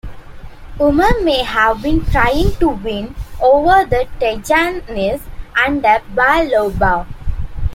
'Umar may have been trying to win over the Tijanis under Ba Lobbo.